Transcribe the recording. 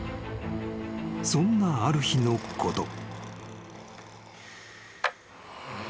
［そんなある日のこと］